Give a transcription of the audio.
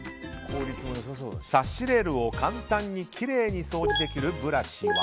サッシレールを簡単にきれいに掃除できるブラシは。